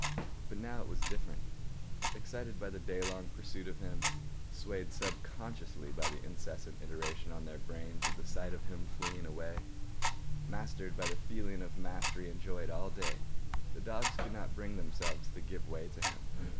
But now it was different. Excited by the day long pursuit of him, swayed subconsciously by the insistent iteration on their brains of the sight of him fleeing away, mastered by the feeling of mastery enjoyed all day, the dogs could not bring themselves to give way to him.